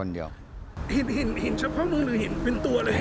เห็นเฉพาะมึงหรือเห็นตัวเลย